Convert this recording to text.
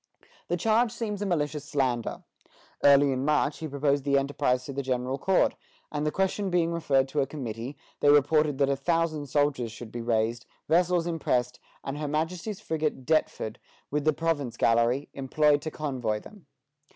The charge seems a malicious slander. Early in March he proposed the enterprise to the General Court; and the question being referred to a committee, they reported that a thousand soldiers should be raised, vessels impressed, and her Majesty's frigate "Deptford," with the province galley, employed to convoy them.